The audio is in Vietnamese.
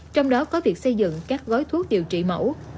trong đó có việc xây dựng các gói thuốc điều trị mẫu